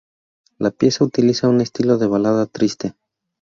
La pieza utiliza un estilo de balada triste.